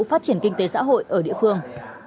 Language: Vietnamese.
phát triển kinh tế xã hội ở địa phương